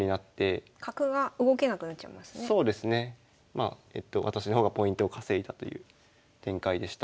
まあ私の方がポイントを稼いだという展開でした。